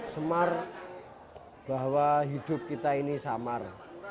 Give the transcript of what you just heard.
semar bahwa hidup kita ini samar